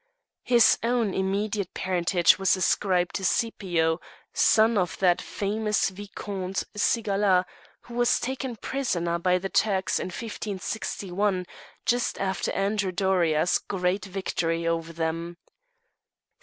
His own immediate parentage was ascribed to Scipio, son of that famous Viscount Cigala who was taken prisoner by the Turks in 1561, just after Andrew Doria's grand victory over them.